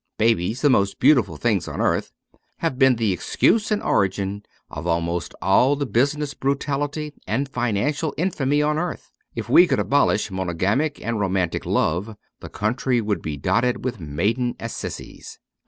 Babies, the most beautiful things on earth, have been the excuse and origin of almost all the business brutality and financial infamy on earth. If we could abolish monogamic or romantic love, the country would be dotted with Maiden Assizes.